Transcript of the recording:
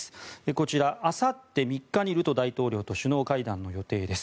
こちら、あさって３日にルト大統領と首脳会談の予定です。